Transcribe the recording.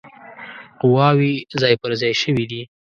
قواوي ځای پر ځای شوي دي.